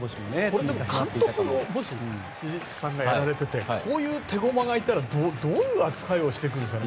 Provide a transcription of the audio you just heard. これ、もし監督を辻さんがやられていたらこういう手駒がいたらどう扱いをしてくるんですかね。